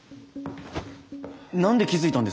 何で気付いたんです？